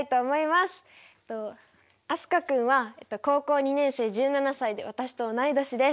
飛鳥君は高校２年生１７歳で私と同い年です。